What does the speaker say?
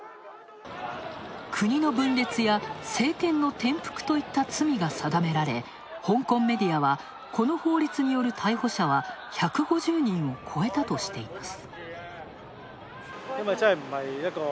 国の分裂や政権の転覆といった罪が定められ香港メディアは、この法律による逮捕者は１５０人を超えたとしています。